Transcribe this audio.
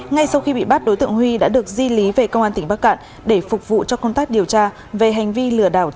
ngay sau khi bị bắt đối tượng huy đã được di lý về công an tỉnh bắc cạn để phục vụ cho công tác điều tra về hành vi lừa đảo chiến đoạt tài sản